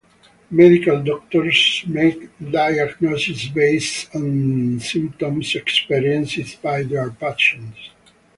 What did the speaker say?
Medical doctors make diagnoses based on the symptoms experienced by their patients.